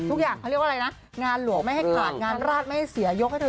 อุ๊ยพ่อให้ฉันทำไม